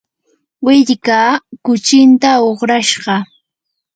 willkaa kuchinta uqrashqa.